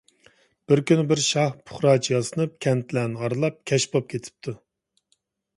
بىر كۈنى بىر شاھ پۇقراچە ياسىنىپ كەنتلەرنى ئارىلاپ، كەچ بولۇپ كېتىپتۇ.